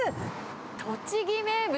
栃木名物